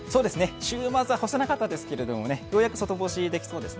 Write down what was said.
週末は干せなかったですけども、ようやく外干しできそうですね。